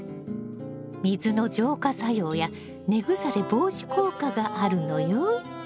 水の浄化作用や根腐れ防止効果があるのよ。